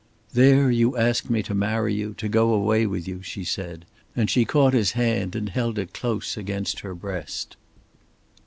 "There you asked me to marry you, to go away with you," she said, and she caught his hand and held it close against her breast.